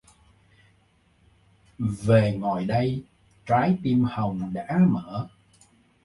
Về ngồi đây, trái tim hồng đã mở